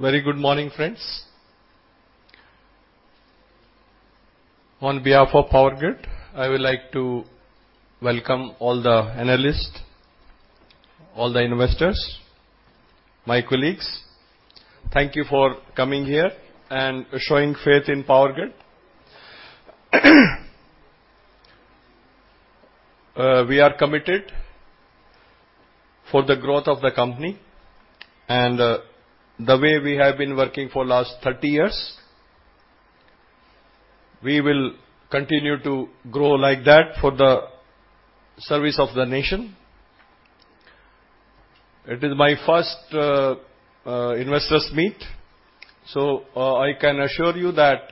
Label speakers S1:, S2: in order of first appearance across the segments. S1: Very good morning, friends. On behalf of Power Grid, I would like to welcome all the analysts, all the investors, my colleagues. Thank you for coming here and showing faith in Power Grid. We are committed for the growth of the company, and the way we have been working for the last 30 years, we will continue to grow like that for the service of the nation. It is my first investors' meet, so I can assure you that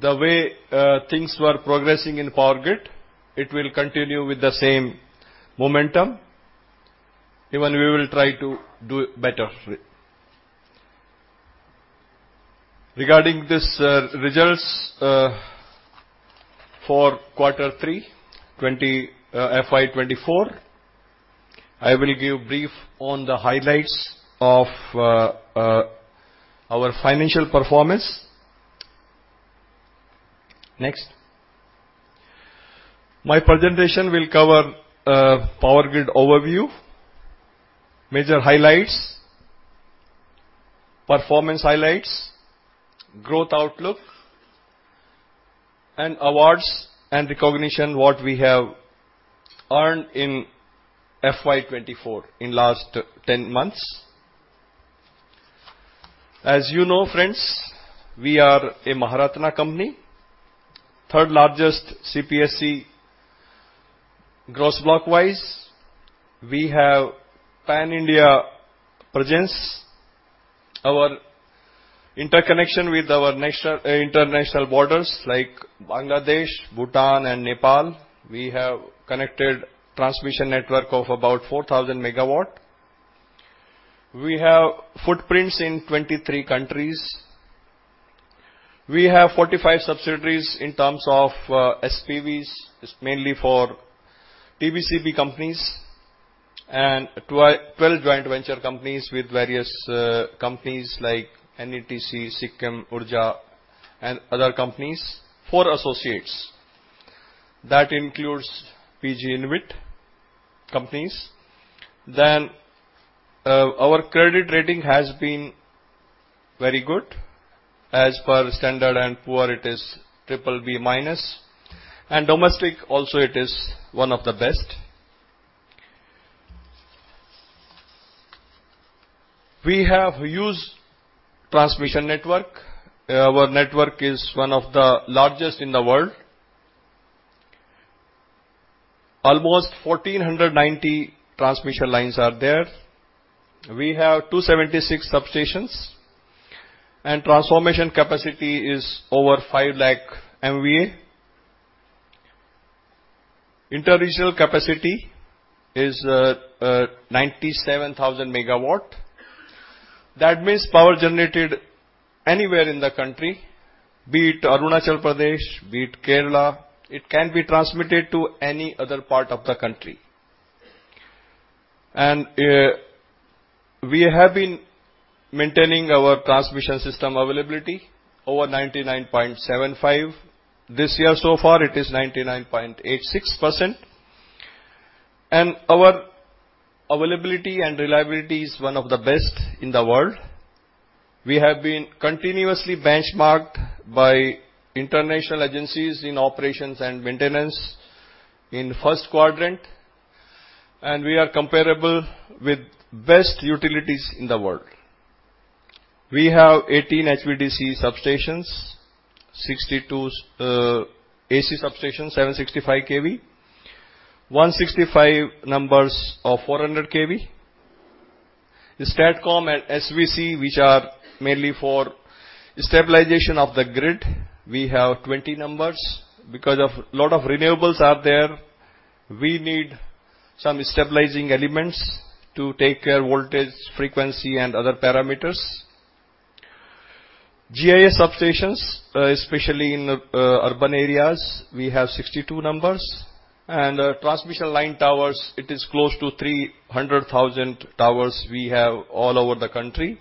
S1: the way things were progressing in Power Grid, it will continue with the same momentum. Even we will try to do better. Regarding these results for Quarter 3 FY 2024, I will give a brief on the highlights of our financial performance. Next. My presentation will cover Power Grid overview, major highlights, performance highlights, growth outlook, and awards and recognition what we have earned in FY 2024 in the last 10 months. As you know, friends, we are a Maharatna company, third largest CPSE gross block-wise. We have Pan-India presence. Our interconnection with our international borders like Bangladesh, Bhutan, and Nepal. We have connected transmission network of about 4,000 MW. We have footprints in 23 countries. We have 45 subsidiaries in terms of SPVs, mainly for TBCB companies, and 12 joint venture companies with various companies like NETC, Sikkim Urja, and other companies for associates. That includes PG InvIT companies. Then, our credit rating has been very good. As per Standard & Poor's, it is triple B minus. And domestic also, it is one of the best. We have a huge transmission network. Our network is one of the largest in the world. Almost 1,490 transmission lines are there. We have 276 substations, and transformation capacity is over 500,000 MVA. Interregional capacity is 97,000 MW. That means power generated anywhere in the country, be it Arunachal Pradesh, be it Kerala, it can be transmitted to any other part of the country. We have been maintaining our transmission system availability over 99.75%. This year so far, it is 99.86%. Our availability and reliability is one of the best in the world. We have been continuously benchmarked by international agencies in operations and maintenance in the first quadrant, and we are comparable with the best utilities in the world. We have 18 HVDC substations, 62 AC substations, 765 kV, 165 numbers of 400 kV. STATCOM and SVC, which are mainly for stabilization of the grid, we have 20 numbers. Because a lot of renewables are there, we need some stabilizing elements to take care of voltage, frequency, and other parameters. GIS substations, especially in urban areas, we have 62 numbers. Transmission line towers, it is close to 300,000 towers we have all over the country.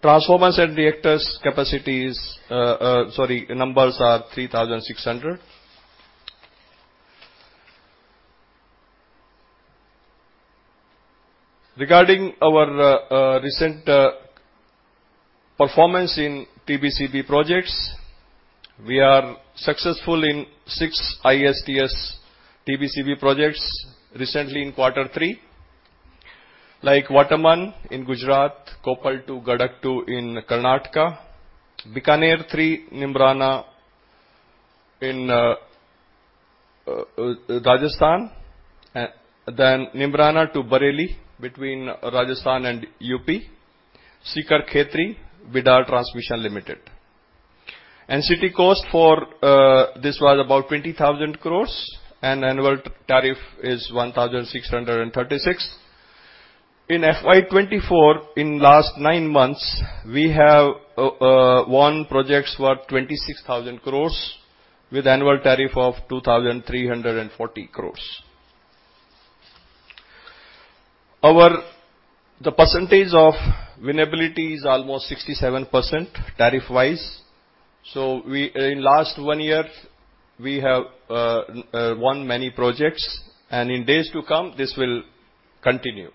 S1: Transformers and reactors capacities, sorry, numbers are 3,600. Regarding our recent performance in TBCB projects, we are successful in six ISTS TBCB projects recently in Quarter three, like Vataman in Gujarat, Koppal to Gadag-II in Karnataka, Bikaner-III Neemrana in Rajasthan, then Neemrana to Bareilly between Rajasthan and UP, Sikar Khetri Transmission Limited. NIT cost for this was about 20,000 crore, and annual tariff is 1,636 crore. In FY 2024, in the last nine months, we have won projects worth 26,000 crore with annual tariff of 2,340 crore. The percentage of winnability is almost 67% tariff-wise. In the last one year, we have won many projects, and in days to come, this will continue.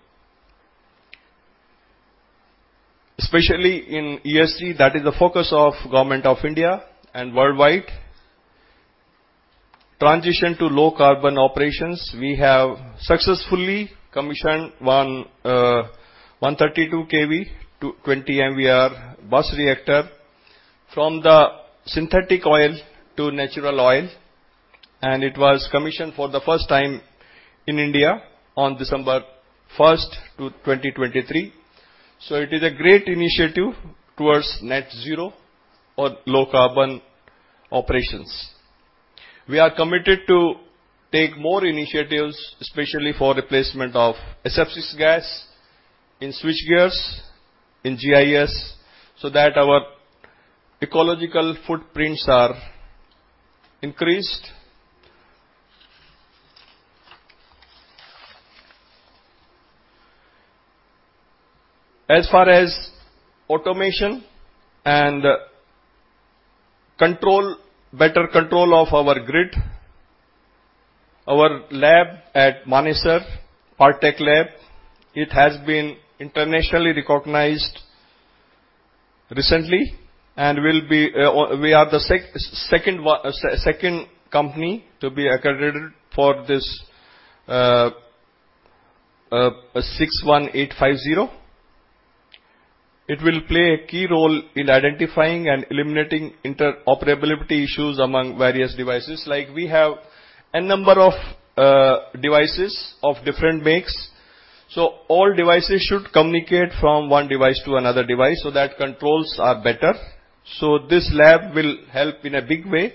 S1: Especially in ESG, that is the focus of the Government of India and worldwide. Transition to low-carbon operations, we have successfully commissioned one 132 kV to 20 MVAr bus reactor from the synthetic oil to natural oil, and it was commissioned for the first time in India on 1 December 2023. So it is a great initiative towards net zero or low-carbon operations. We are committed to take more initiatives, especially for replacement of SF6 gas in switchgears, in GIS, so that our ecological footprints are increased. As far as automation and better control of our grid, our lab at Manesar PARTeC Lab, it has been internationally recognized recently and will be we are the second company to be accredited for this 61850. It will play a key role in identifying and eliminating interoperability issues among various devices. Like, we have a number of devices of different makes, so all devices should communicate from one device to another device so that controls are better. So this lab will help in a big way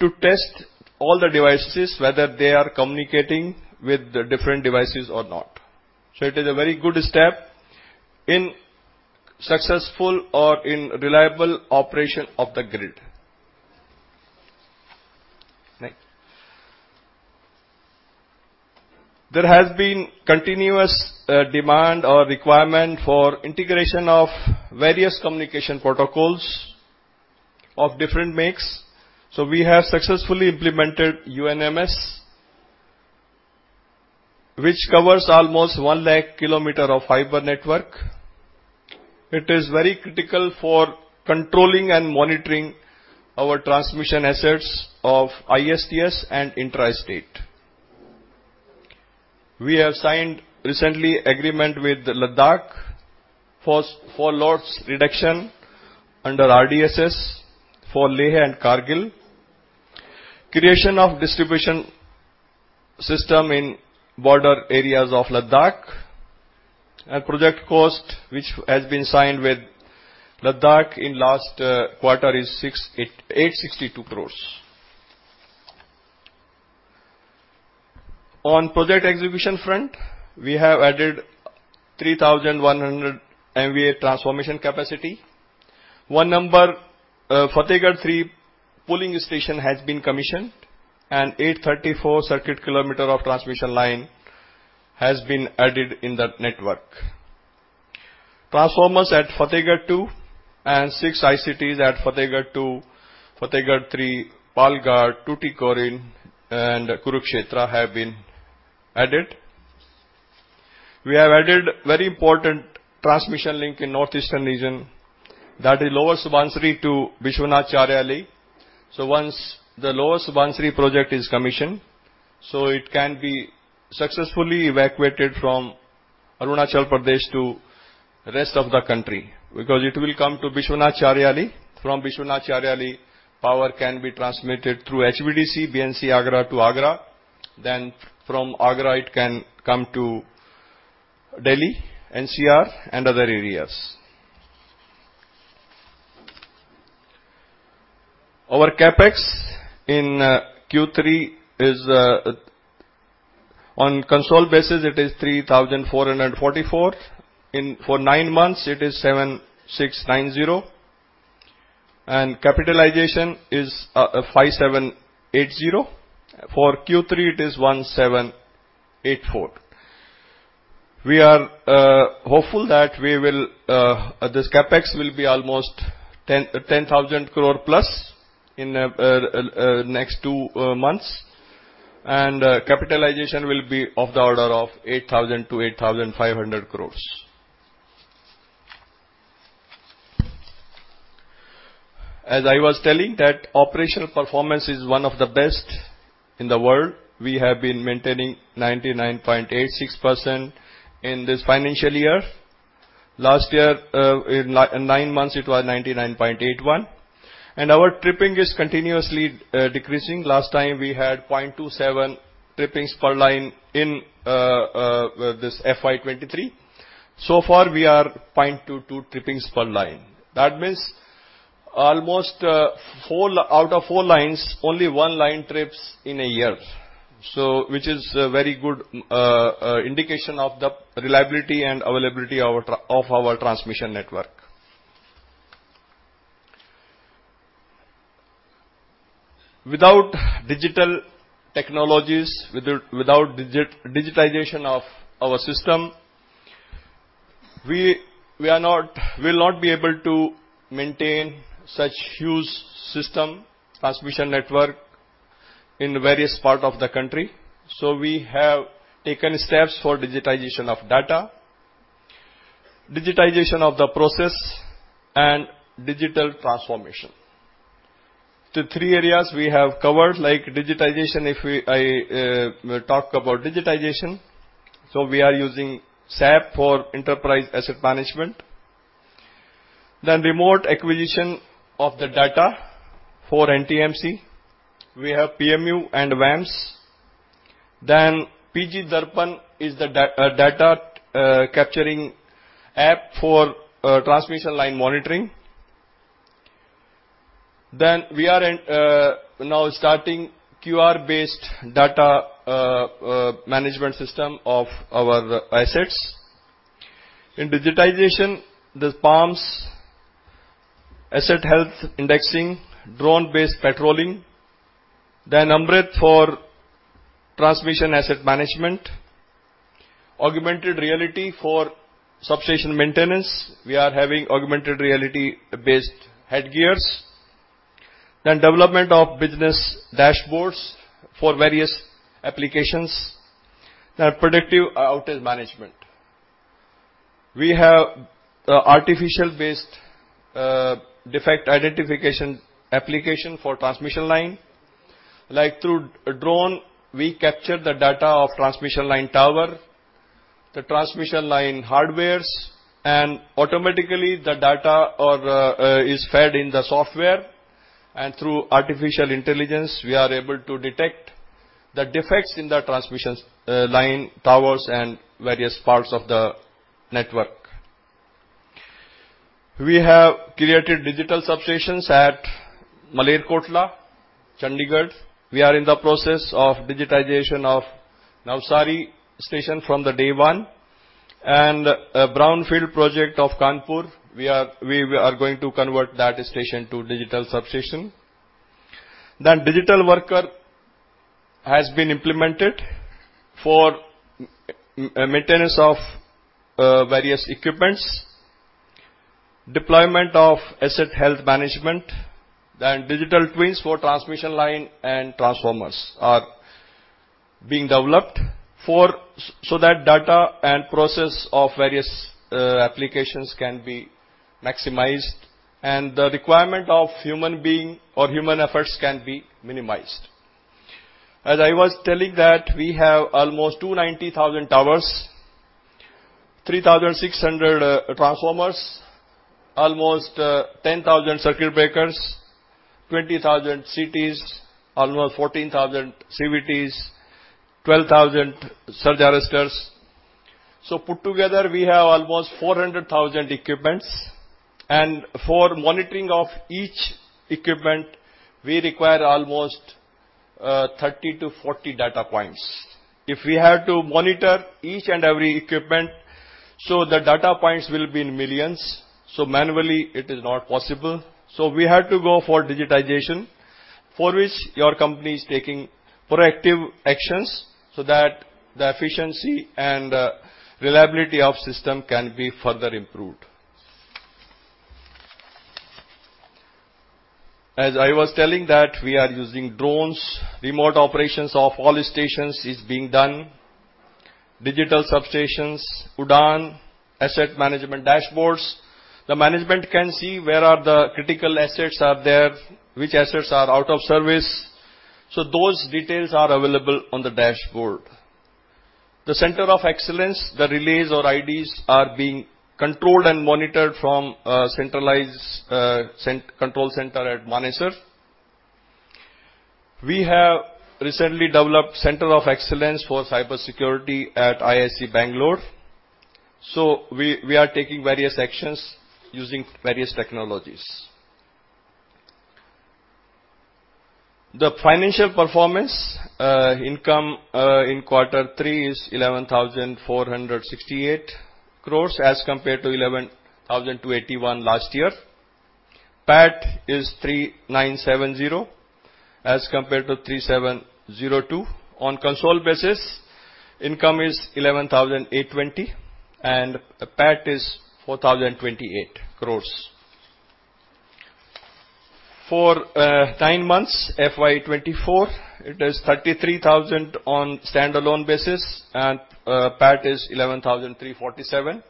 S1: to test all the devices, whether they are communicating with different devices or not. So it is a very good step in successful or in reliable operation of the grid. There has been continuous demand or requirement for integration of various communication protocols of different makes, so we have successfully implemented UNMS, which covers almost 100,000 km of fiber network. It is very critical for controlling and monitoring our transmission assets of ISTS and intra-state. We have signed recently an agreement with Ladakh for loss reduction under RDSS for Leh and Kargil, creation of distribution system in border areas of Ladakh. And project cost, which has been signed with Ladakh in the last quarter, is INR 862 crore. On project execution front, we have added 3,100 MVA transformation capacity. One number, Fatehgarh 3 pooling station has been commissioned, and 834 circuit kilometers of transmission line have been added in the network. Transformers at Fatehgarh 2 and six ICTs at Fatehgarh 2, Fatehgarh 3, Palghar, Tutti Korin, and Kurukshetra have been added. We have added a very important transmission link in the Northeastern region that is Lower Subansiri to Bishwanath Chariali. So once the Lower Subansiri project is commissioned, so it can be successfully evacuated from Arunachal Pradesh to the rest of the country, because it will come to Bishwanath Chariali. From Bishwanath Chariali, power can be transmitted through HVDC BNC Agra to Agra, then from Agra, it can come to Delhi, NCR, and other areas. Our CAPEX in Q3 is on consolidated basis, it is 3,444. For nine months, it is 7,690. And capitalization is 5,780. For Q3, it is 1,784. We are hopeful that this CAPEX will be almost 10,000 crore+ in the next two months, and capitalization will be of the order of 8,000-8,500 crores. As I was telling, that operational performance is one of the best in the world. We have been maintaining 99.86% in this financial year. Last year, in nine months, it was 99.81%. Our tripping is continuously decreasing. Last time, we had 0.27 trippings per line in this FY 2023. So far, we are 0.22 trippings per line. That means almost out of four lines, only one line trips in a year, which is a very good indication of the reliability and availability of our transmission network. Without digital technologies, without digitization of our system, we will not be able to maintain such a huge transmission network in various parts of the country. So we have taken steps for digitization of data, digitization of the process, and digital transformation. The three areas we have covered, like digitization, if I talk about digitization, so we are using SAP for enterprise asset management. Then, remote acquisition of the data for NTMC. We have PMU and WAMS. Then, PG Darpan is the data capturing app for transmission line monitoring. Then, we are now starting a QR-based data management system of our assets. In digitization, the PAMS, asset health indexing, drone-based patrolling. Then, AMRIT for transmission asset management. Augmented reality for substation maintenance, we are having augmented reality-based headgears. Then, development of business dashboards for various applications. Then, predictive outage management. We have an artificial-based defect identification application for transmission line. Like, through a drone, we capture the data of the transmission line tower, the transmission line hardwares, and automatically, the data is fed in the software. Through artificial intelligence, we are able to detect the defects in the transmission line towers and various parts of the network. We have created digital substations at Malerkotla, Chandigarh. We are in the process of digitization of Navsari station from day one. Brownfield project of Kanpur, we are going to convert that station to a digital substation. Digital worker has been implemented for maintenance of various equipments, deployment of asset health management. Digital twins for transmission line and transformers are being developed so that data and process of various applications can be maximized, and the requirement of human being or human efforts can be minimized. As I was telling, that we have almost 290,000 towers, 3,600 transformers, almost 10,000 circuit breakers, 20,000 CTs, almost 14,000 CVTs, 12,000 surge arresters. Put together, we have almost 400,000 equipments. For monitoring of each equipment, we require almost 30-40 data points. If we had to monitor each and every equipment, so the data points will be in millions, so manually, it is not possible. So we had to go for digitization, for which your company is taking proactive actions so that the efficiency and reliability of the system can be further improved. As I was telling, that we are using drones. Remote operations of all the stations are being done. Digital substations, UDAN, asset management dashboards. The management can see where the critical assets are there, which assets are out of service. So those details are available on the dashboard. The Center of Excellence, the relays or IDs are being controlled and monitored from a centralized control center at Manesar. We have recently developed a Center of Excellence for Cybersecurity at IISc Bangalore. So we are taking various actions using various technologies. The financial performance, income in Quarter 3 is 11,468 crores as compared to 11,281 last year. PAT is 3,970 as compared to 3,702. On consolidated basis, income is 11,820, and PAT is 4,028 crores. For nine months, FY 2024, it is 33,000 on a standalone basis, and PAT is 11,347.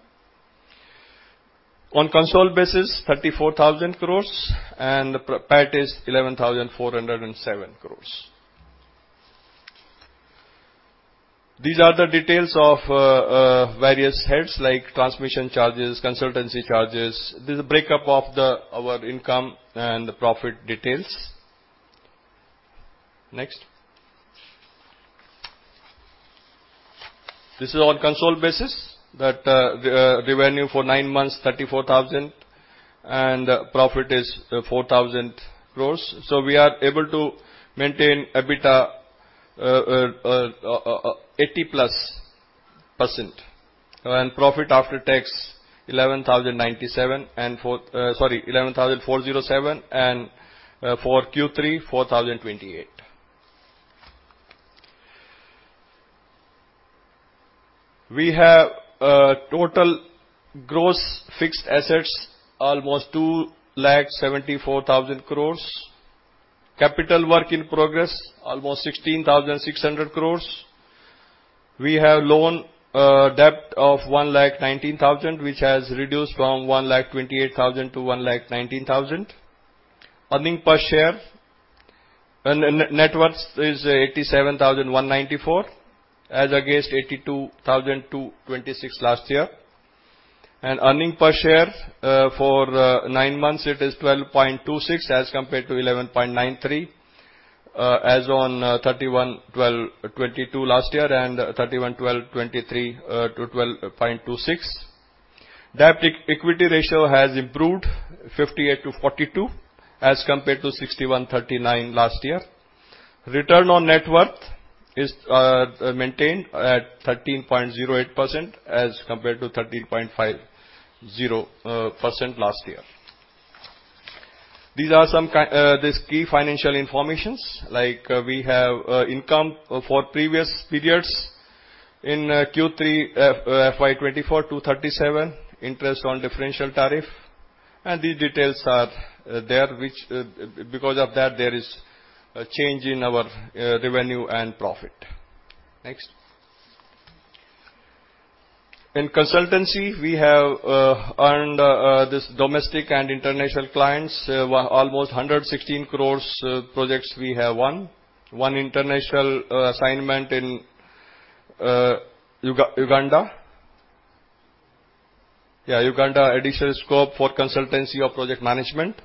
S1: On consolidated basis, 34,000 crores, and PAT is 11,407 crores. These are the details of various heads, like transmission charges, consultancy charges. This is a break-up of our income and profit details. Next. This is on consolidated basis, that revenue for nine months, 34,000, and profit is 4,000 crores. So we are able to maintain EBITDA 80%+. And profit after tax, 11,097 and sorry, 11,407, and for Q3, INR 4,028. We have total gross fixed assets, almost 274,000 crores. Capital work in progress, almost 16,600 crores. We have a loan debt of 119,000 crore, which has reduced from 128,000 crore to 119,000 crore. Earnings per share net worth is 87,194 crore as against 82,226 crore last year. Earnings per share for nine months, it is 12.26 as compared to 11.93 as on 31/12/2022 last year and 31/12/2023 to 12.26. Debt to equity ratio has improved, 58-42 as compared to 61:39 last year. Return on net worth is maintained at 13.08% as compared to 13.50% last year. These are some key financial information, like we have income for previous periods in Q3 FY 2024 to 37 crore, interest on differential tariff. These details are there, which because of that, there is a change in our revenue and profit. Next. In consultancy, we have earned this domestic and international clients, almost 116 crore projects we have won. One international assignment in Uganda. Yeah, Uganda, additional scope for consultancy of project management.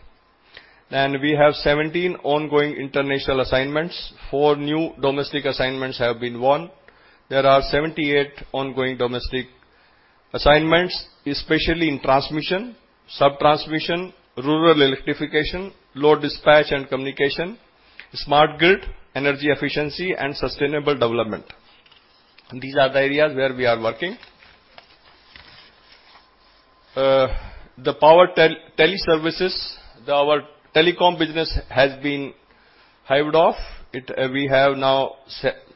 S1: We have 17 ongoing international assignments. 4 new domestic assignments have been won. There are 78 ongoing domestic assignments, especially in transmission, subtransmission, rural electrification, load dispatch and communication, smart grid, energy efficiency, and sustainable development. These are the areas where we are working. The PowerTel services, our telecom business has been hived off. We have now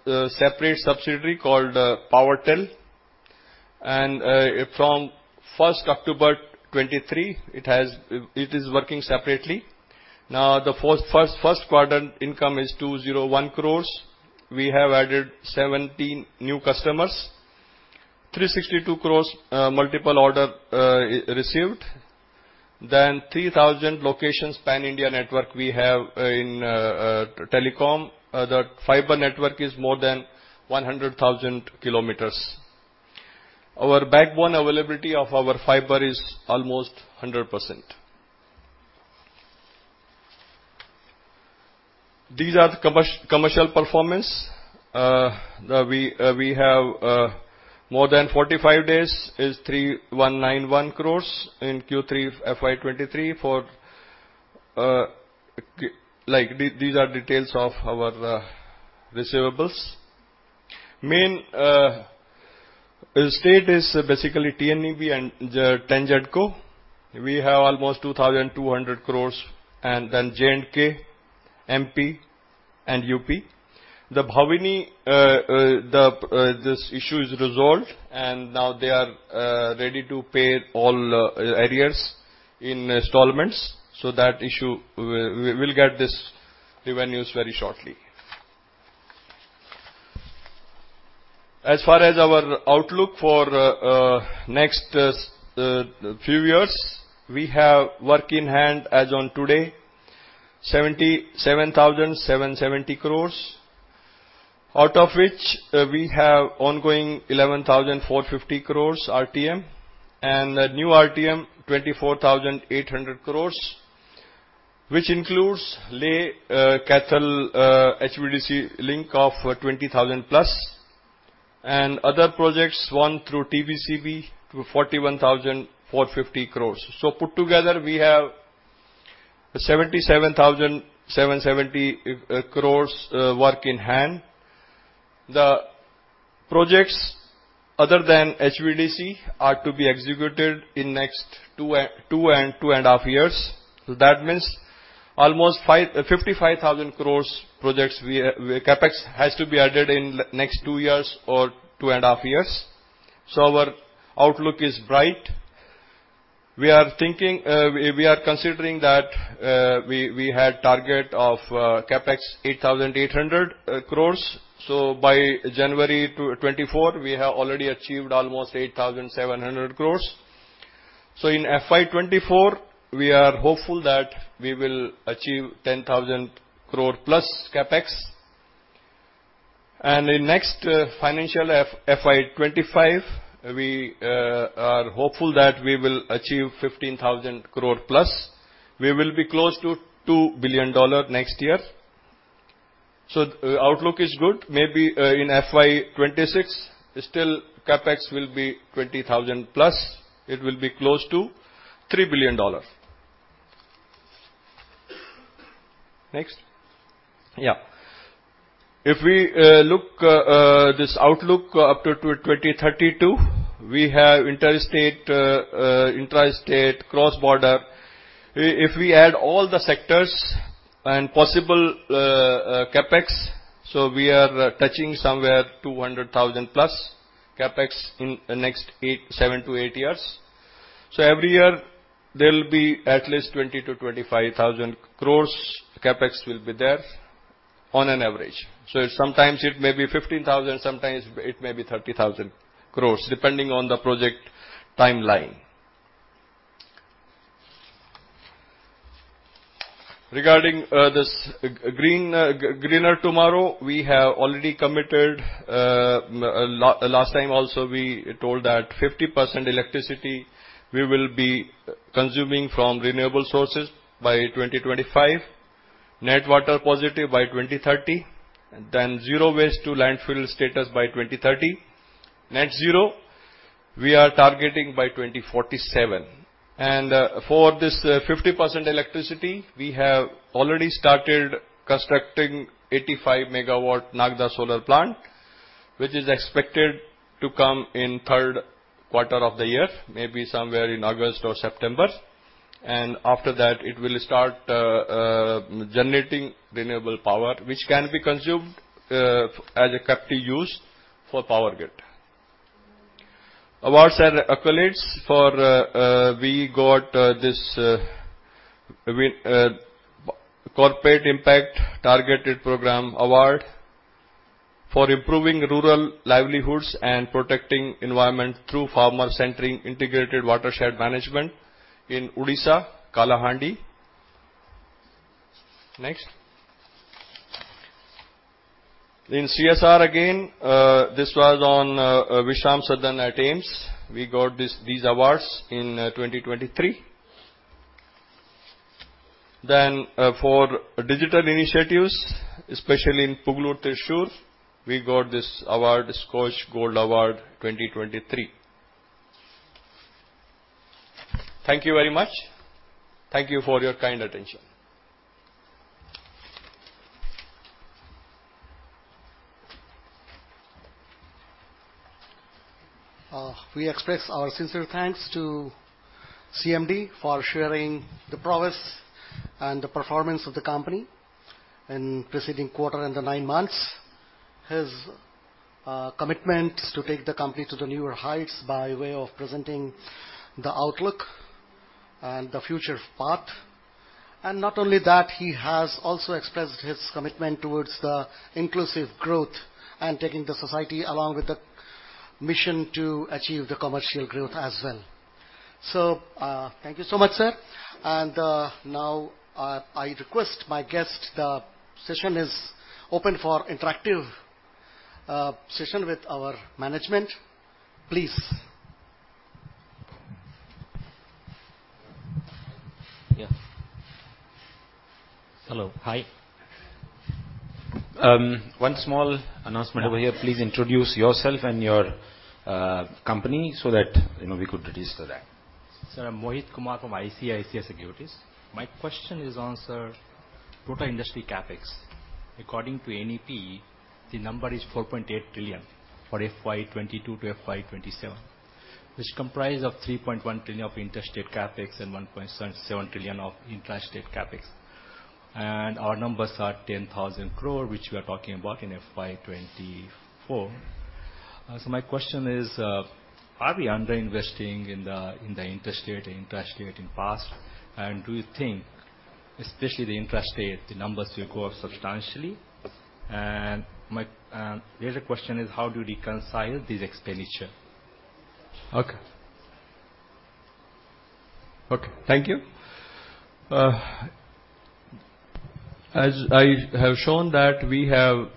S1: a separate subsidiary called PowerTel. And from 1 October 2023, it is working separately. Now, the first quarter income is 201 crore. We have added 17 new customers. 362 crore multiple orders received. Then, 3,000 locations Pan-India network we have in telecom. The fiber network is more than 100,000 km. Our backbone availability of our fiber is almost 100%. These are the commercial performance. We have more than 45 days, is 3,191 crore in Q3 FY 2023 for like, these are details of our receivables. Main state is basically TNEB and TANGEDCO. We have almost 2,200 crore and then J&K, MP, and UP. The BHAVINI, this issue is resolved, and now they are ready to pay all arrears in installments. So that issue, we will get these revenues very shortly. As far as our outlook for the next few years, we have work in hand as on today, 77,770 crore, out of which we have ongoing 11,450 crore RTM, and a new RTM, 24,800 crore, which includes Ladakh HVDC link of 20,000+. And other projects won through TBCB, 41,450 crore. So put together, we have 77,770 crore work in hand. The projects other than HVDC are to be executed in the next two and two and a half years. That means almost 55,000 crore projects CAPEX has to be added in the next two years or two and a half years. So our outlook is bright. We are considering that we had a target of 8,800 crore CAPEX. So by January 2024, we have already achieved almost 8,700 crore. So in FY 2024, we are hopeful that we will achieve 10,000 crore+ CAPEX. And in next financial FY 2025, we are hopeful that we will achieve 15,000 crore+. We will be close to $2 billion next year. So the outlook is good. Maybe in FY 2026, still CAPEX will be 20,000+. It will be close to $3 billion. Next. Yeah. If we look at this outlook up to 2032, we have interstate, intrastate, cross-border. If we add all the sectors and possible CAPEX, so we are touching somewhere 200,000 crore+ in the next 7-8 years. So every year, there will be at least 20,000-25,000 crore CAPEX will be there on an average. So sometimes it may be 15,000 crore, sometimes it may be 30,000 crore, depending on the project timeline. Regarding this greener tomorrow, we have already committed last time also, we told that 50% electricity we will be consuming from renewable sources by 2025, net water positive by 2030, then zero waste to landfill status by 2030. Net zero, we are targeting by 2047. And for this 50% electricity, we have already started constructing an 85 MW Nagda solar plant, which is expected to come in the third quarter of the year, maybe somewhere in August or September. And after that, it will start generating renewable power, which can be consumed as a captive use for Power Grid. Awards and accolades: we got this Corporate Impact Targeted Program Award for improving rural livelihoods and protecting the environment through farmer-centered integrated watershed management in Odisha, Kalahandi. Next. In CSR, again, this was on Vishram Sadan at AIIMS. We got these awards in 2023. Then for digital initiatives, especially in Pugalur-Thrissur, we got this award, the Scotch Gold Award 2023. Thank you very much. Thank you for your kind attention.
S2: We express our sincere thanks to CMD for sharing the promise and the performance of the company in preceding quarter and the nine months. His commitment to take the company to the newer heights by way of presenting the outlook and the future path. And not only that, he has also expressed his commitment towards the inclusive growth and taking the society along with the mission to achieve the commercial growth as well. So thank you so much, sir. And now I request my guests. The session is open for an interactive session with our management. Please. Yeah. Hello. Hi. One small announcement over here. Please introduce yourself and your company so that we could register that.
S3: Sir, I'm Mohit Kumar from ICICI Securities. My question is on, sir, total industry CAPEX. According to NEP, the number is 4.8 trillion for FY22 to FY 2027, which comprises 3.1 trillion of interstate CAPEX and 1.7 trillion of intrastate CAPEX. And our numbers are 10,000 crore, which we are talking about in FY 2024. So my question is, are we underinvesting in the interstate and intrastate in the past? And do you think, especially the intrastate, the numbers will grow substantially? And the other question is, how do we reconcile this expenditure?
S1: Okay. Okay. Thank you. As I have shown, we have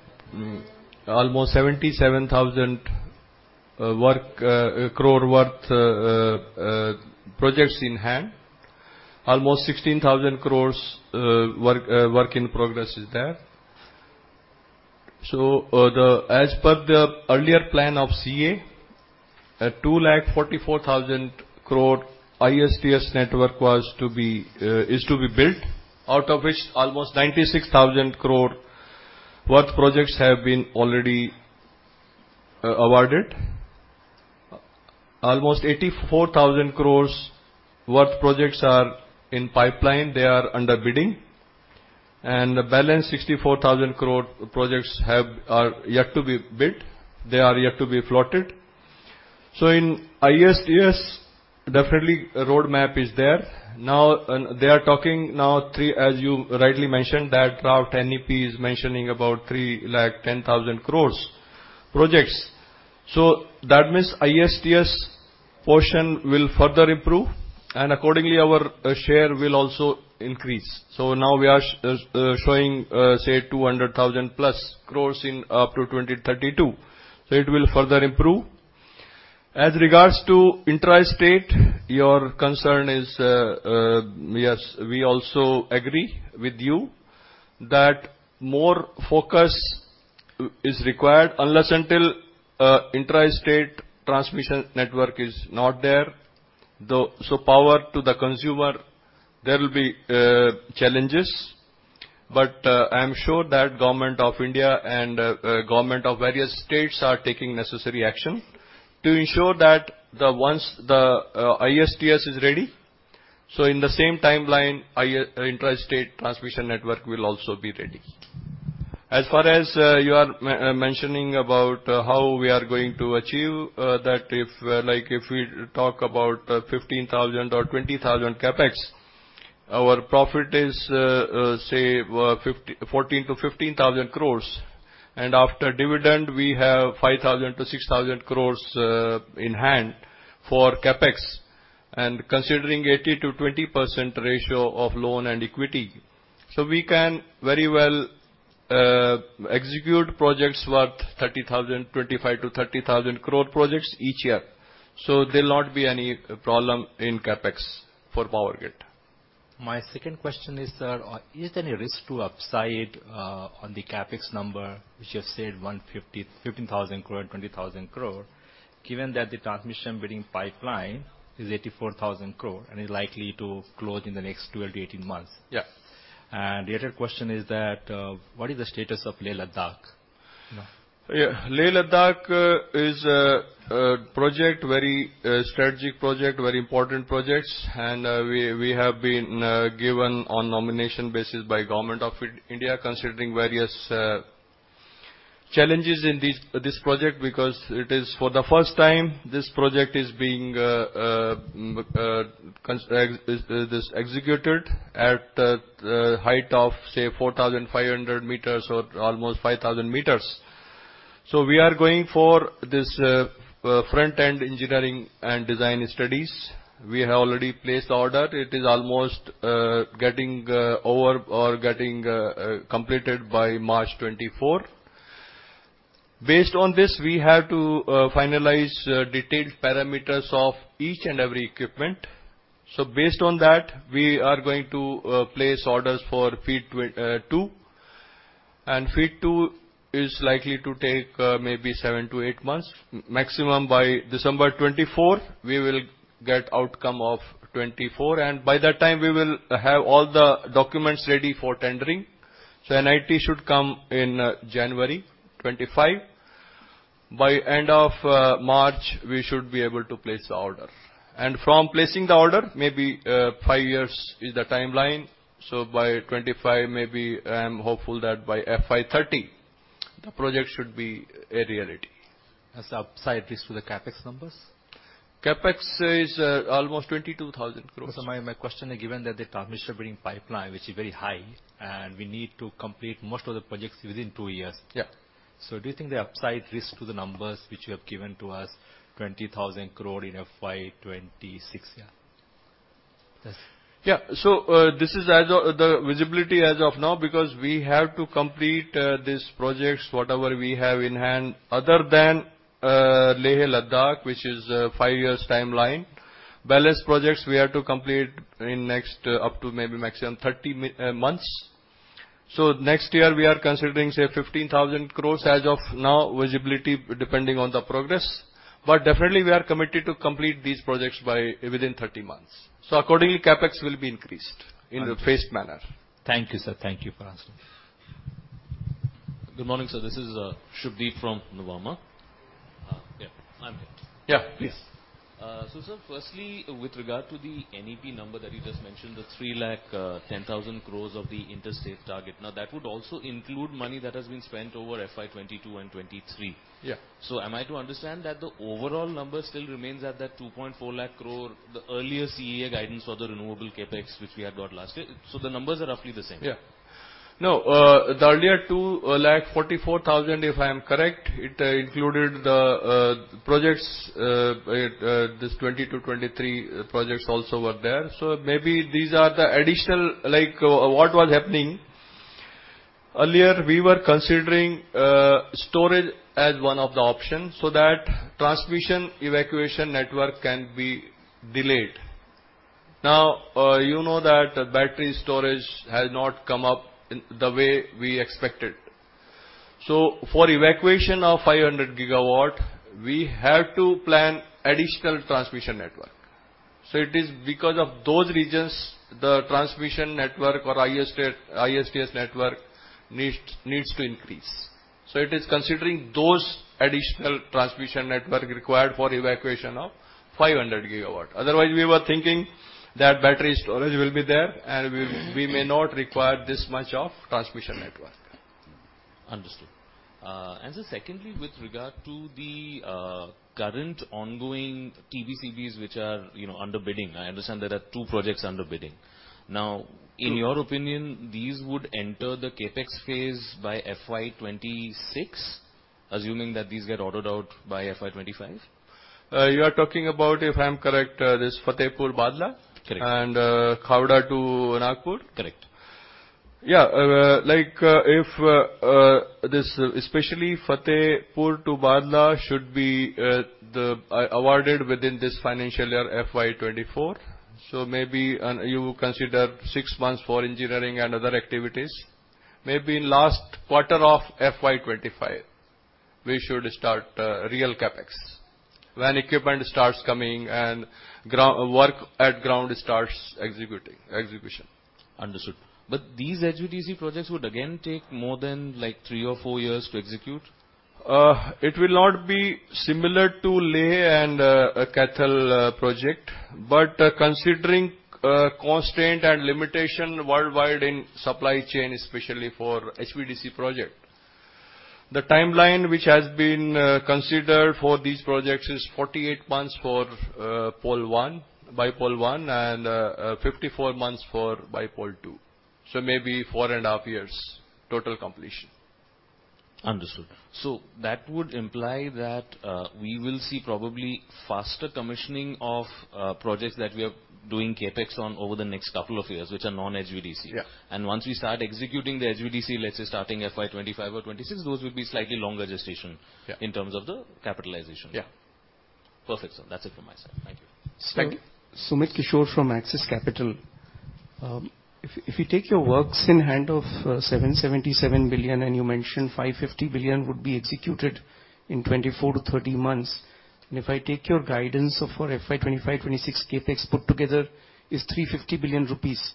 S1: almost 77,000 crore worth projects in hand. Almost 16,000 crore work in progress is there. So as per the earlier plan of CEA, 244,000 crore ISTS network is to be built, out of which almost 96,000 crore worth projects have been already awarded. Almost 84,000 crores worth projects are in pipeline. They are under bidding. And the balance 64,000 crore projects are yet to be built. They are yet to be plotted. So in ISTS, definitely, the roadmap is there. Now, they are talking now three, as you rightly mentioned, that draft NEP is mentioning about 310,000 crores projects. So that means ISTS portion will further improve, and accordingly, our share will also increase. So now we are showing, say, 200,000+ crores up to 2032. So it will further improve. As regards to intrastate, your concern is yes, we also agree with you that more focus is required unless until intrastate transmission network is not there. So power to the consumer, there will be challenges. But I am sure that the Government of India and the Government of various states are taking necessary action to ensure that once the ISTS is ready, so in the same timeline, intrastate transmission network will also be ready. As far as you are mentioning about how we are going to achieve that, if we talk about 15,000 or 20,000 CAPEX, our profit is, say, 14,000-15,000 crore. And after dividend, we have 5,000-6,000 crore in hand for CAPEX and considering 80%-20% ratio of loan and equity. So we can very well execute projects worth 25,000-30,000 crore projects each year. So there will not be any problem in CAPEX for Power Grid.
S3: My second question is, sir, is there any risk to upside on the CAPEX number, which you have said 15,000 crore, 20,000 crore, given that the transmission bidding pipeline is 84,000 crore and is likely to close in the next 12-18 months? Yeah. And the other question is that, what is the status of Leh-Ladakh?
S1: Yeah. Leh-Ladakh is a very strategic project, very important projects. And we have been given on nomination basis by the Government of India, considering various challenges in this project because it is for the first time this project is being executed at the height of, say, 4,500 meters or almost 5,000 meters. So we are going for this front-end engineering and design studies. We have already placed the order. It is almost getting over or getting completed by March 2024. Based on this, we have to finalize detailed parameters of each and every equipment. So based on that, we are going to place orders for FEED two. And FEED two is likely to take maybe seven to eight months. Maximum by December 2024, we will get the outcome of 2024. And by that time, we will have all the documents ready for tendering. So NIT should come in January 2025. By the end of March, we should be able to place the order. And from placing the order, maybe five years is the timeline. So by 2025, maybe I am hopeful that by FY 2030, the project should be a reality.
S3: As an upside risk to the CAPEX numbers?
S1: CAPEX is almost 22,000 crore.
S3: So my question is, given that the transmission bidding pipeline, which is very high, and we need to complete most of the projects within two years. So do you think there is an upside risk to the numbers which you have given to us, 20,000 crore in FY 2026?
S1: Yeah. Yeah. So this is the visibility as of now because we have to complete these projects, whatever we have in hand, other than Leh-Ladakh, which is a five-year timeline. The balance projects, we have to complete in the next up to maybe maximum 30 months. So next year, we are considering, say, 15,000 crores as of now, visibility depending on the progress. But definitely, we are committed to complete these projects within 30 months. So accordingly, CAPEX will be increased in a fast manner.
S3: Thank you, sir. Thank you for answering.
S4: Good morning, sir. This is Shubadip from Nuvama.
S1: Yeah. I'm here. Yeah. Please.
S4: So, sir, firstly, with regard to the NEP number that you just mentioned, the 310,000 crore of the interstate target, now that would also include money that has been spent over FY2022 and 2023. So am I to understand that the overall number still remains at that 240,000 crore, the earlier CA guidance for the renewable CAPEX, which we had got last year? So the numbers are roughly the same.
S1: Yeah. No. The earlier 244,000 crore, if I am correct, it included the projects. These 2022, 2023 projects also were there. So maybe these are the additional what was happening. Earlier, we were considering storage as one of the options so that transmission evacuation network can be delayed. Now, you know that battery storage has not come up the way we expected. So for evacuation of 500 GW, we have to plan an additional transmission network. So it is because of those reasons, the transmission network or ISTS network needs to increase. So it is considering those additional transmission networks required for evacuation of 500 GW. Otherwise, we were thinking that battery storage will be there, and we may not require this much of transmission network.
S4: Understood. And sir, secondly, with regard to the current ongoing TBCBs, which are under bidding, I understand there are two projects under bidding. Now, in your opinion, these would enter the CAPEX phase by FY 2026, assuming that these get ordered out by FY 2025? You are talking about, if I am correct, this Fatehgarh-Bhadla and Khavda to Nagpur?
S1: Correct. Yeah. If especially Fatehgarh to Bhadla should be awarded within this financial year, FY 2024, so maybe you will consider six months for engineering and other activities. Maybe in the last quarter of FY 2025, we should start real CAPEX when equipment starts coming and work at ground starts execution.
S4: Understood. But these HVDC projects would, again, take more than three or four years to execute?
S1: It will not be similar to the Leh and Kaithal project. But considering constraints and limitations worldwide in supply chain, especially for HVDC projects, the timeline which has been considered for these projects is 48 months for bipole 1 and 54 months for bipole two. So maybe 4.5 years total completion.
S4: Understood. So that would imply that we will see probably faster commissioning of projects that we are doing CAPEX on over the next couple of years, which are non-HVDC. And once we start executing the HVDC, let's say starting FY 2025 or 2026, those would be slightly longer gestation in terms of the capitalization.
S1: Yeah
S4: Perfect, sir. That's it from my side. Thank you.
S5: TSo, sir, thank you. Sumit Kishore from Axis Capital. If you take your works in hand of 777 billion, and you mentioned 550 billion would be executed in 24-30 months, and if I take your guidance for FY 2025, FY 2026, CAPEX put together is 350 billion rupees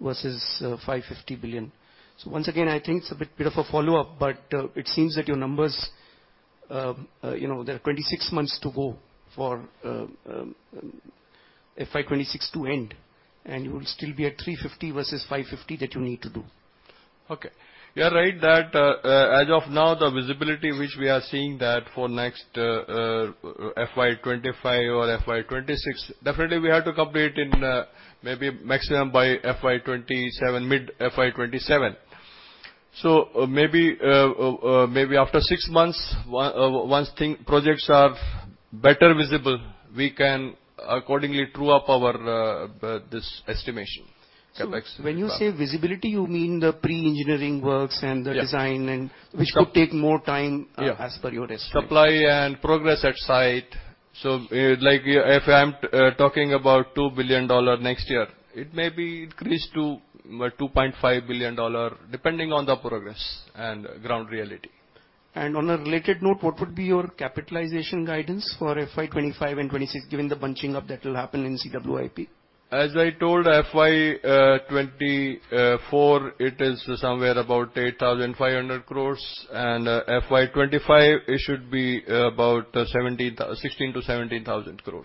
S5: versus 550 billion. So once again, I think it's a bit of a follow-up, but it seems that your numbers, there are 26 months to go for FY 2026 to end, and you will still be at 350 versus 550 that you need to do.
S1: Okay. You are right that as of now, the visibility which we are seeing that for next FY 2025 or FY 2026, definitely, we have to complete maybe maximum by FY 2027, mid-FY 2027. So maybe after 6 months, once projects are better visible, we can accordingly true up this estimation, CAPEX.
S5: So, sir, when you say visibility, you mean the pre-engineering works and the design, which could take more time as per your estimate?
S1: Yeah. Supply and progress at site. So if I am talking about $2 billion next year, it may be increased to $2.5 billion, depending on the progress and ground reality.
S5: And on a related note, what would be your capitalization guidance for FY 2025 and 2026, given the bunching up that will happen in CWIP?
S1: As I told, FY 2024, it is somewhere about 8,500 crore. And FY 2025, it should be about 16,000-17,000 crore.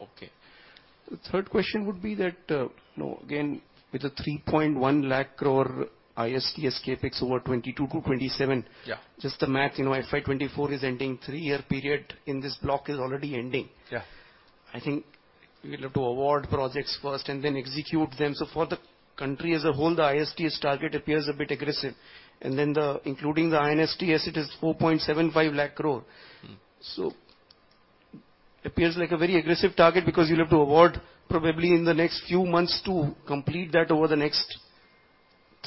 S5: Okay. The third question would be that, again, with the 310,000 crore ISTS CAPEX over 2022 to 2027, just the math, FY 2024 is ending. Three-year period in this block is already ending. I think we will have to award projects first and then execute them. So for the country as a whole, the ISTS target appears a bit aggressive. And then including the INSTS, it is 475,000 crore. So it appears like a very aggressive target because you will have to award probably in the next few months to complete that over the next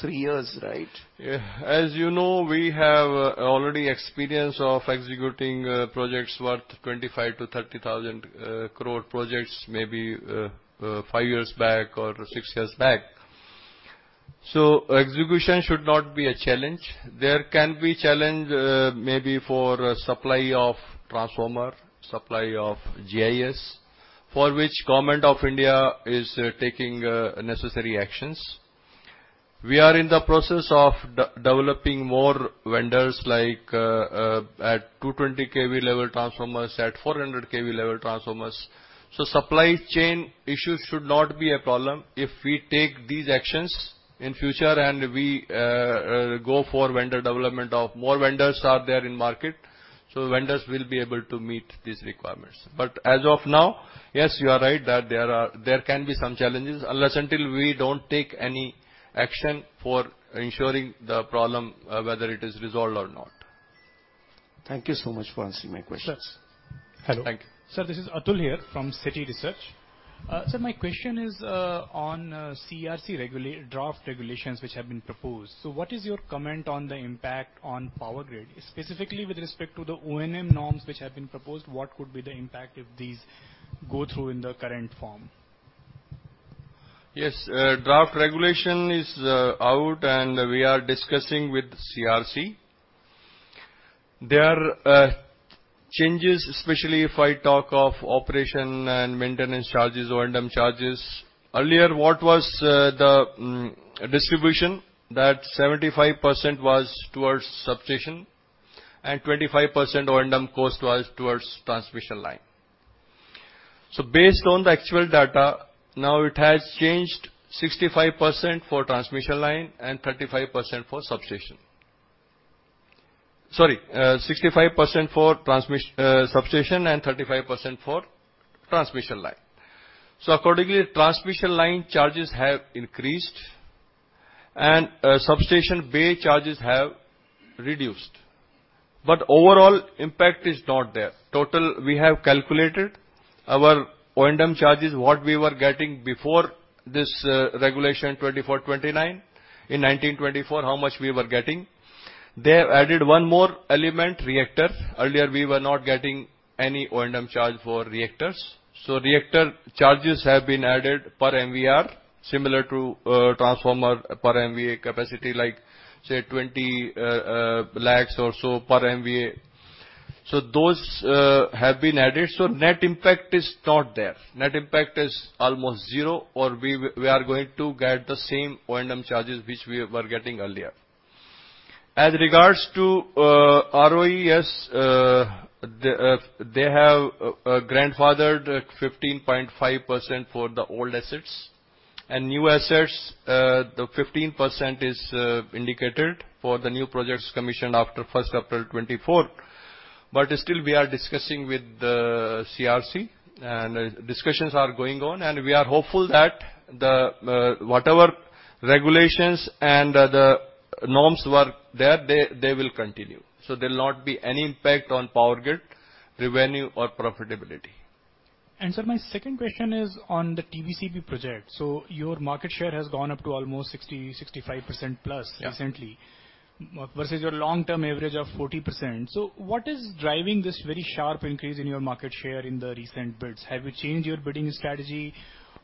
S5: three years, right?
S1: Yeah. As you know, we have already experience of executing projects worth 25,000-30,000 crore projects maybe five years back or six years back. So execution should not be a challenge. There can be challenge maybe for supply of transformer, supply of GIS, for which the Government of India is taking necessary actions. We are in the process of developing more vendors at 220 kV level transformers, at 400 kV level transformers. So supply chain issues should not be a problem if we take these actions in the future and we go for vendor development. More vendors are there in the market, so vendors will be able to meet these requirements. But as of now, yes, you are right that there can be some challenges unless until we don't take any action for ensuring the problem, whether it is resolved or not.
S5: Thank you so much for answering my question.
S6: Sir, this is Atul here from Citi Research. Sir, my question is on CERC draft regulations which have been proposed. So what is your comment on the impact on Power Grid, specifically with respect to the O&M norms which have been proposed? What could be the impact if these go through in the current form?
S1: Yes. Draft regulation is out, and we are discussing with CERC. There are changes, especially if I talk of operation and maintenance charges, O&M charges. Earlier, what was the distribution? That 75% was towards substation, and 25% O&M cost was towards transmission line. So based on the actual data, now it has changed: 65% for transmission line and 35% for substation.
S6: Sorry. 65% for substation and 35% for?
S1: Transmission line. So accordingly, transmission line charges have increased, and substation bay charges have reduced. But overall impact is not there. Total, we have calculated our O&M charges, what we were getting before this regulation, 2,429. In 1,924, how much we were getting. They have added one more element, reactor. Earlier, we were not getting any O&M charge for reactors. So reactor charges have been added per MVAr, similar to transformer per MVA capacity, like, say, 20 lakh or so per MVA. So those have been added. So net impact is not there. Net impact is almost zero, or we are going to get the same O&M charges which we were getting earlier. As regards to ROE, they have grandfathered 15.5% for the old assets. And new assets, the 15% is indicated for the new projects commissioned after 1st April 2024. But still, we are discussing with CERC, and discussions are going on. And we are hopeful that whatever regulations and the norms were there, they will continue. So there will not be any impact on Power Grid revenue or profitability.
S6: And sir, my second question is on the TBCB project. So your market share has gone up to almost 60%-65%+ recently versus your long-term average of 40%. So what is driving this very sharp increase in your market share in the recent bids? Have you changed your bidding strategy,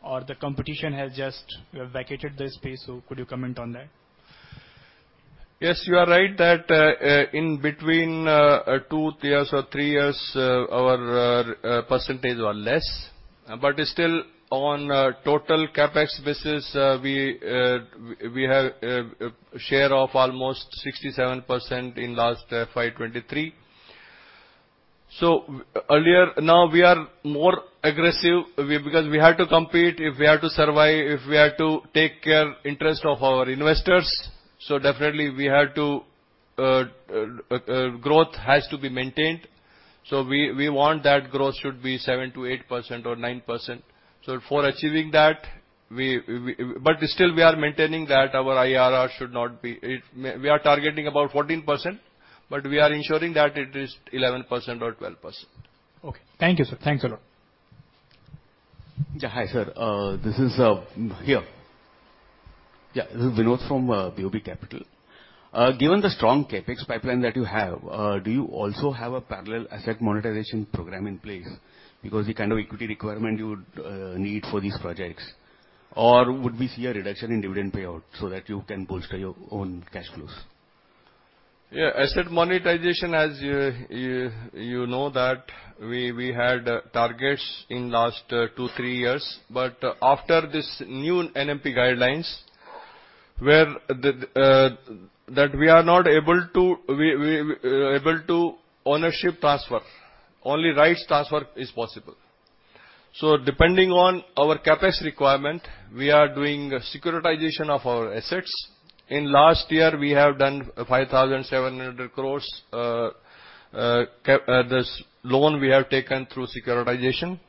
S6: or the competition has just vacated this space? So could you comment on that?
S1: Yes. You are right that in between 2 years or 3 years, our percentage was less. But still, on total CAPEX basis, we have a share of almost 67% in last FY 2023. So now, we are more aggressive because we have to compete if we have to survive, if we have to take care of the interest of our investors. So definitely, we have to growth has to be maintained. So we want that growth should be 7%-8% or 9%. So for achieving that, but still, we are maintaining that our IRR should not be we are targeting about 14%, but we are ensuring that it is 11% or 12%.
S6: Okay. Thank you, sir. Thanks a lot.
S7: Yeah. Hi, sir. This is here. Yeah. This is Vinod from BOB Capital. Given the strong CAPEX pipeline that you have, do you also have a parallel asset monetization program in place because the kind of equity requirement you would need for these projects, or would we see a reduction in dividend payout so that you can bolster your own cash flows?
S1: Yeah. Asset monetization, as you know, that we had targets in last two, three years. But after these new NMP guidelines that we are not able to ownership transfer, only rights transfer is possible. So depending on our CAPEX requirement, we are doing securitization of our assets. In last year, we have done 5,700 crores. This loan we have taken through securitization.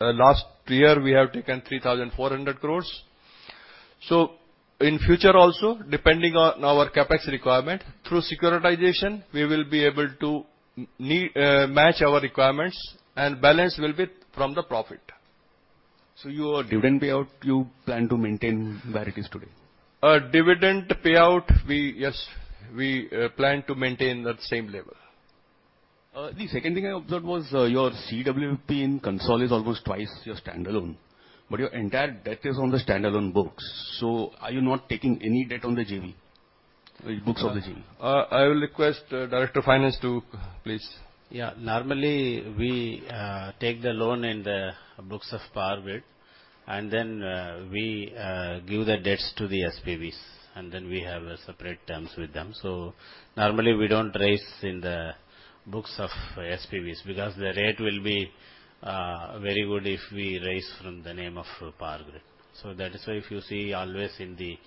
S1: Last year, we have taken 3,400 crores. So in future also, depending on our CAPEX requirement, through securitization, we will be able to match our requirements, and balance will be from the profit.
S7: So your dividend payout, you plan to maintain where it is today?
S1: Dividend payout, yes. We plan to maintain at the same level.
S7: The second thing I observed was your CWIP in consolidated is almost twice your standalone, but your entire debt is on the standalone books. So are you not taking any debt on the books of the SPV?
S1: I will request Director of Finance to please.
S8: Yeah. Normally, we take the loan in the books of Power Grid, and then we give the debts to the SPVs, and then we have separate terms with them. So normally, we don't raise in the books of SPVs because the rate will be very good if we raise from the name of Power Grid. So that is why if you see always in the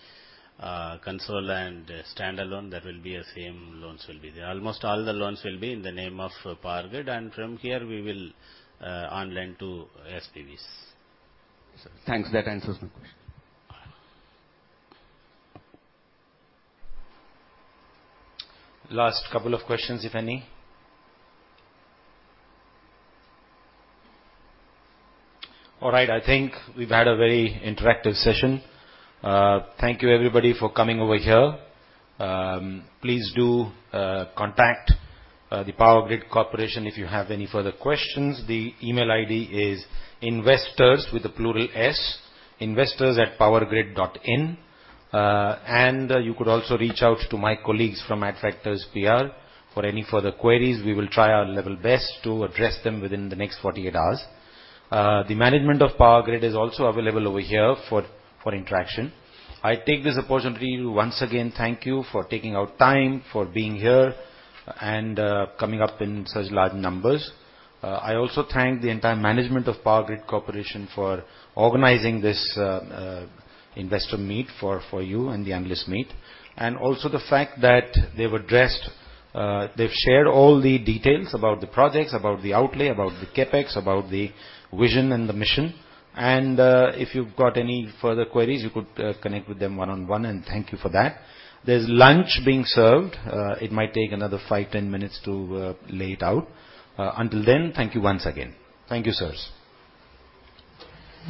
S8: consolidated and standalone, that will be the same loans will be there. Almost all the loans will be in the name of Power Grid, and from here, we will on-lend to SPVs.
S7: Sir, thanks. That answers my question.
S1: Last couple of questions, if any. All right. I think we've had a very interactive session. Thank you, everybody, for coming over here. Please do contact the Power Grid Corporation if you have any further questions. The email ID is investors with a plural S, investors@powergrid.in. You could also reach out to my colleagues from Adfactors PR for any further queries. We will try our level best to address them within the next 48 hours. The management of Power Grid is also available over here for interaction. I take this opportunity to once again thank you for taking out time, for being here, and coming up in such large numbers. I also thank the entire management of Power Grid Corporation for organizing this investor meet for you and the analyst meet, and also the fact that they've shared all the details about the projects, about the outlay, about the CAPEX, about the vision and the mission. If you've got any further queries, you could connect with them one-on-one, and thank you for that. There's lunch being served. It might take another 5-10 minutes to lay it out. Until then, thank you once again. Thank you, sirs.